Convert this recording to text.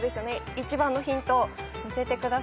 １番のヒント見せてください。